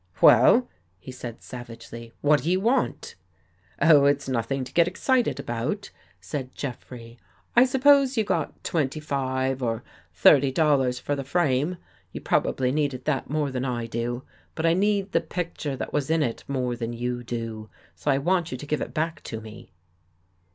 " Well," he said savagely, " what do you want? "" Oh, it's nothing to get excited about," said Jeffrey. " I suppose you got twenty five or thirty THE GHOST GIRE dollars for the frame. You probably needed that more than I do. But I need the picture that was in it more than you do. So I want you to give it back to me."